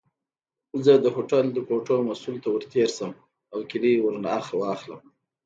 زه د هوټل د کوټو مسؤل ته ورتېر شم او کیلۍ ورنه واخلم.